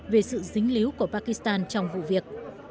về sự dính líu của pakistan trong vụ việc